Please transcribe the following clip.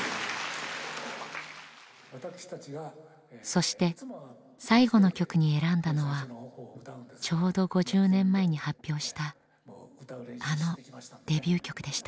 そして最後の曲に選んだのはちょうど５０年前に発表したあのデビュー曲でした。